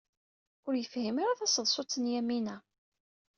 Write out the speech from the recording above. Ur yefhim ara taseḍsut n Yamina.